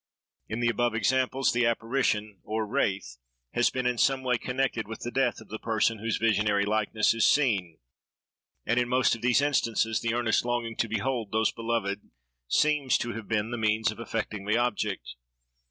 In the above examples, the apparition, or wraith, has been in some way connected with the death of the person whose visionary likeness is seen; and, in most of these instances, the earnest longing to behold those beloved seems to have been the means of effecting the object.